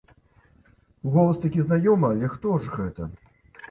Голас такі знаёмы, але хто ж гэта?